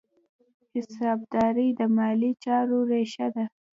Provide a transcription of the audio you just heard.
حسابداري د مالي چارو ریښه ده.